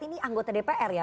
ini anggota dpr ya